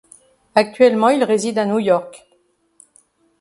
Actuellement il réside à New York.